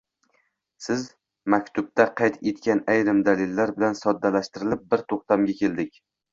Siz maktubda qayd etgan ayrim dalillar bilan solishtirib bir to‘xtamga keldik.